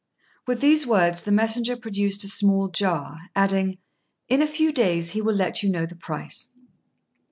With these words the messenger produced a small jar, adding, "In a few days he will let you know the price."